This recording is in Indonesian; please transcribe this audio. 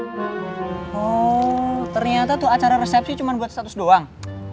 oh ternyata tuh acara resepsi cuma buat status doang